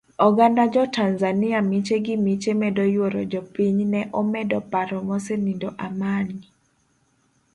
Oganda jo tanzania miche gimiche medo yuoro jopiny ne omedo paro mosenindo Amani.